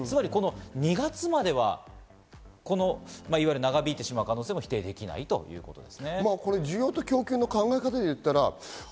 ２月までは長引いてしまう可能性が否定できないということです。